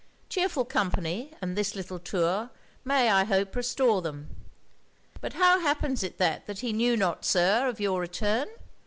Chearful company, and this little tour, may I hope restore them. But how happens it that he knew not, Sir, of your return?